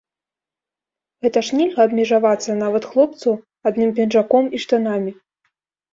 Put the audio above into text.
Гэта ж нельга абмежавацца, нават хлопцу, адным пінжаком і штанамі.